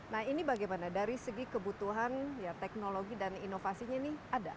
nah ini bagaimana dari segi kebutuhan teknologi dan inovasinya ini ada